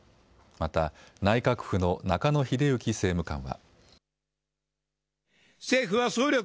また内閣府の中野英幸政務官は。